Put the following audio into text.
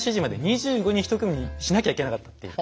２５人１組にしなきゃいけなかったっていう。